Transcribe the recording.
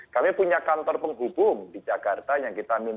kami punya kantor penghubung di jakarta yang kita minta